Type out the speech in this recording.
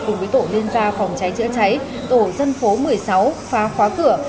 cùng với tổ liên gia phòng cháy chữa cháy tổ dân phố một mươi sáu phá khóa cửa